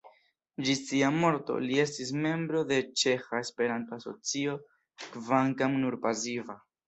Ĝis sia morto li estis membro de Ĉeĥa Esperanto-Asocio, kvankam nur pasiva.